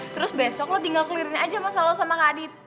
terus besok lo tinggal ke lirik aja masalah lo sama kak adit